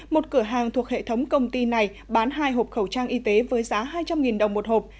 một cửa hàng thuộc hệ thống công ty này bán hai hộp khẩu trang y tế với giá hai trăm linh đồng một hộp